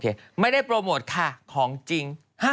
ไม่ได้โปรโมทค่ะของจริง